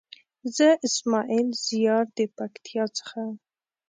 زه اسماعيل زيار د پکتيا څخه.